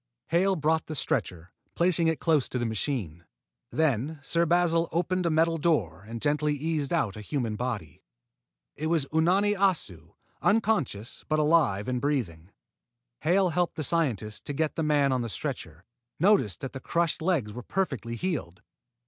Hale brought the stretcher, placing it close to the machine. Then Sir Basil opened a metal door and gently eased out a human body. It was Unani Assu, unconscious but alive and breathing. Hale, helping the scientist to get the man on the stretcher, noticed that the crushed legs were perfectly healed.